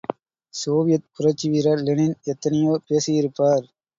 Soviet புரட்சி வீரர் Lenin எத்தனையோ பேசியிருப்பார்!